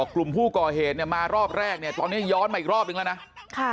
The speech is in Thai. กลุ่มผู้ก่อเหตุเนี่ยมารอบแรกตอนนี้ย้อนมาอีกรอบอย่างนะ